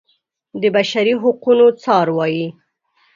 د بشري حقونو څار وايي.